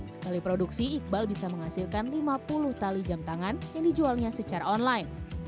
sekali produksi iqbal bisa menghasilkan lima puluh tali jam tangan yang dijualnya secara online